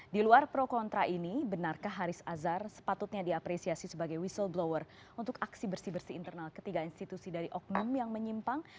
di luar pro kontra ini benarkah haris azhar sepatutnya diapresiasi sebagai whistleblower untuk aksi bersih bersih internal ketiga institusi dari oknum yang menyimpang